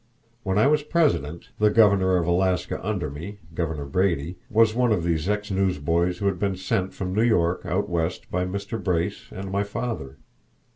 When I was President, the Governor of Alaska under me, Governor Brady, was one of these ex newsboys who had been sent from New York out West by Mr. Brace and my father.